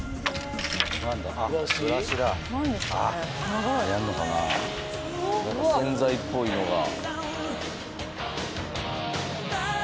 なんか洗剤っぽいのが。